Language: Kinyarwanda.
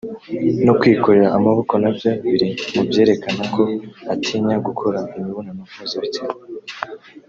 no kwikorera amaboko nabyo biri mubyerekana ko atinya gukora imibonano mpuzabitsina